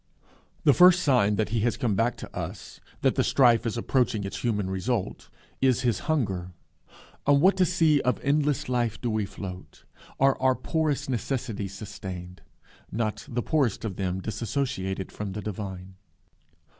The first sign that he has come back to us, that the strife is approaching its human result, is his hunger. On what a sea of endless life do we float, are our poor necessities sustained not the poorest of them dissociated from the divine!